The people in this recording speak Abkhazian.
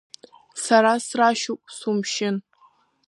Сара срашьуп, сумшьын.